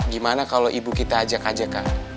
gimana kalau ibu kita ajak ajak